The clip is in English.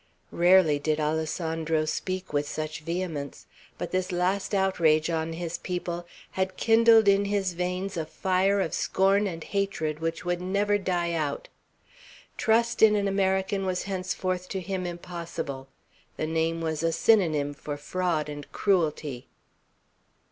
Rarely did Alessandro speak with such vehemence; but this last outrage on his people had kindled in his veins a fire of scorn and hatred which would never die out. Trust in an American was henceforth to him impossible. The name was a synonym for fraud and cruelty.